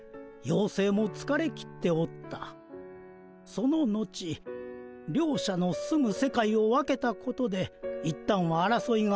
その後両者の住む世界を分けたことでいったんはあらそいがおさまった。